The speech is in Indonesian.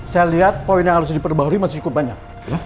saya liat poin yang harus diperbahui masih cukup banyak